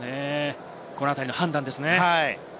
このあたりの判断ですね。